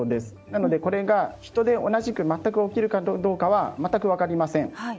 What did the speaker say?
なので、これが人で同じく全く起きるかどうかは全く分かりません。